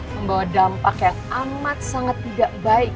membawa dampak yang amat sangat tidak baik